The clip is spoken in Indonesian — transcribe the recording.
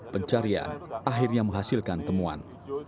pencarian akhirnya menghasilkan temuan